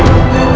aku mau pergi